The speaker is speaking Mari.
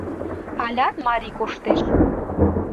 Алят марий коштеш.